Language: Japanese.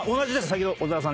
先ほど小澤さん